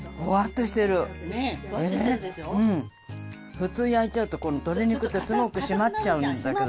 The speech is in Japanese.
普通焼いちゃうとこのとり肉ってすごくしまっちゃうんだけど。